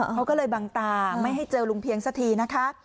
เขาก็เลยบังตาไม่ให้เจอลุงเพียงสักทีนะคะ